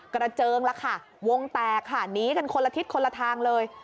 เจิงละค่ะวงแตกค่ะหนีกันคนละทิศคนละทางเลย